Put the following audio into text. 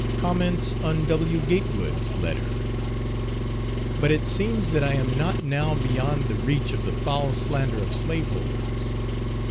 Comments on W. Gatewood's letter._ But it seems that I am not now beyond the reach of the foul slander of slaveholders.